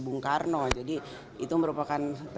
bung karno jadi itu merupakan